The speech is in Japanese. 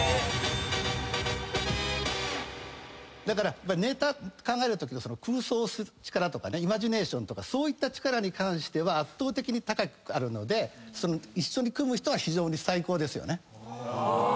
だからネタ考えるときの空想する力とかイマジネーションとかそういった力に関しては圧倒的に高くあるので一緒に組む人は非常に最高ですよね。